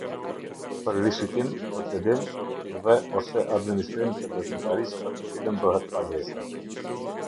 Për rishikim, procedim, dhelose administrim të veprimtarisë për të cilën bëhet pagesa.